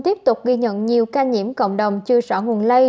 tiếp tục ghi nhận nhiều ca nhiễm cộng đồng chưa rõ nguồn lây